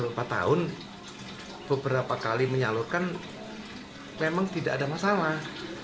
empat tahun beberapa kali menyalurkan memang tidak ada masalah